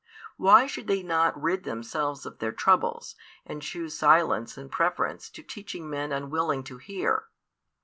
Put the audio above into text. Why should they not rid themselves of their troubles, and choose silence in preference to teaching men unwilling to hear?